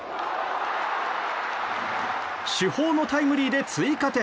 主砲のタイムリーで追加点。